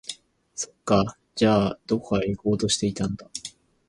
そっか、じゃあ、どこか行こうとしていたんだ